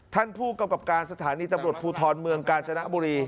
ท่านผู้กำกับการสถานีตำรวจภูทรเมืองกาญจนบุรี